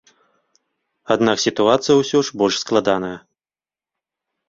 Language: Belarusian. Аднак сітуацыя ўсё ж больш складаная.